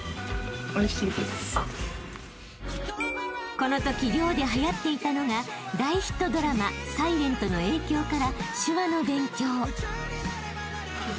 ［このとき寮ではやっていたのが大ヒットドラマ『ｓｉｌｅｎｔ』の影響から］